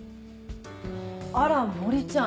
あら森ちゃん！